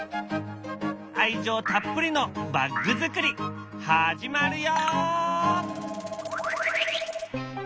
愛情たっぷりのバッグ作り始まるよ！